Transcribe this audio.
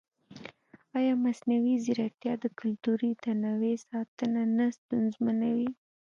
ایا مصنوعي ځیرکتیا د کلتوري تنوع ساتنه نه ستونزمنوي؟